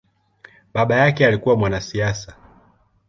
Baba yake alikua mwanasiasa.